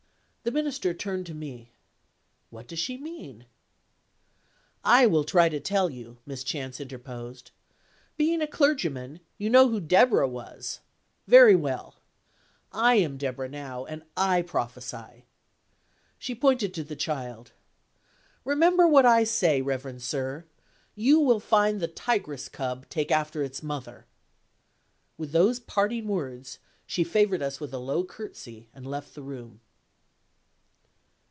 The Minister turned to me. "What does she mean?" "I will try to tell you," Miss Chance interposed. "Being a clergyman, you know who Deborah was? Very well. I am Deborah now; and I prophesy." She pointed to the child. "Remember what I say, reverend sir! You will find the tigress cub take after its mother." With those parting words, she favored us with a low curtsey, and left the room.